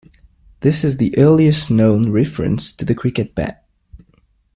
This is the earliest known reference to the cricket bat.